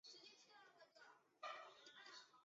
现为纽约执业律师。